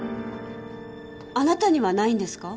あなたにはないんですか？